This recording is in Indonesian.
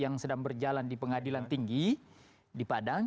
yang sedang berjalan di pengadilan tinggi di padang